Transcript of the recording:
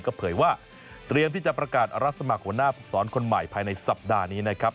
ก็เผยว่าเตรียมที่จะประกาศรับสมัครหัวหน้าภูกษรคนใหม่ภายในสัปดาห์นี้นะครับ